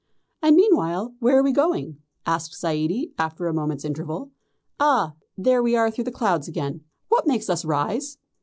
"And meanwhile where are we going?" asked Zaidie, after a moment's interval. "Ah, there we are through the clouds again. What makes us rise?